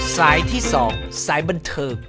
สายที่๒สายบันเทิง